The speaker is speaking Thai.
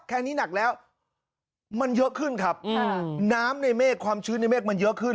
แค่นี้หนักแล้วมันเยอะขึ้นครับน้ำในเมฆความชื้นในเมฆมันเยอะขึ้น